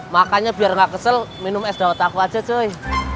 makanya biar gak kesel minum es daun aku aja cuy